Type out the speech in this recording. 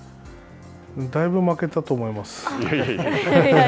だいぶ負けたと思います。